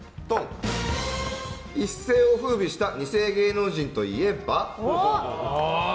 一世を風靡した２世芸能人といえば？